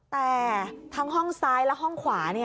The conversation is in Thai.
แต่ทั้งห้องซ้ายและห้องขวา